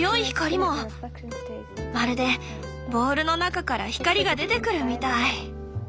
まるでボールの中から光が出てくるみたい。